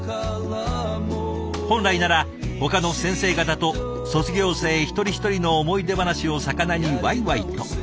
本来ならほかの先生方と卒業生一人一人の思い出話をさかなにわいわいと。